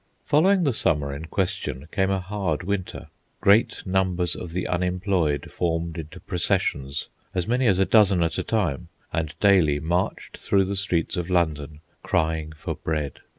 Following the summer in question came a hard winter. Great numbers of the unemployed formed into processions, as many as a dozen at a time, and daily marched through the streets of London crying for bread.